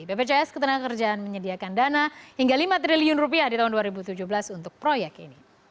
bpjs ketenagakerjaan menyediakan dana hingga lima triliun rupiah di tahun dua ribu tujuh belas untuk proyek ini